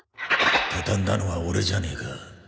畳んだのはオレじゃねえか